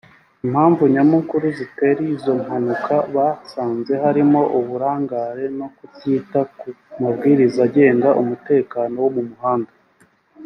Impamvu Nyamukuru zitera izo mpanuka basanze harimo uburangare no kutita ku mabwiriza agenga umutekano wo mu muhanda